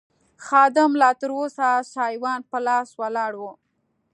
خادم لا تراوسه سایوان په لاس ولاړ و.